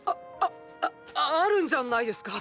ああああるんじゃないですか？